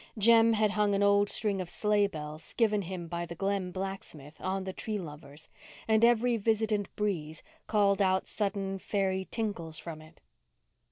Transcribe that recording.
Jem had hung an old string of sleigh bells, given him by the Glen blacksmith, on the Tree Lovers, and every visitant breeze called out sudden fairy tinkles from it.